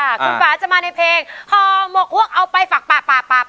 คุณป๊าจะมาในเพลงฮมฮเอาไปฝากป๊า